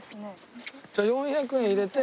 じゃあ４００円入れて。